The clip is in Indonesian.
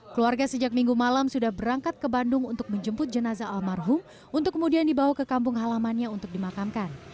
keluarga sejak minggu malam sudah berangkat ke bandung untuk menjemput jenazah almarhum untuk kemudian dibawa ke kampung halamannya untuk dimakamkan